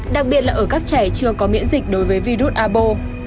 đặc biệt là ở các trẻ chưa có miễn dịch đối với virus abo